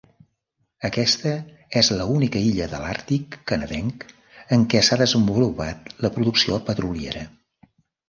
Aquesta és l'única illa de l'àrtic canadenc en què s'ha desenvolupat la producció petroliera.